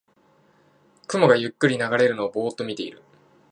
雲がゆっくり流れるのをぼーっと見てる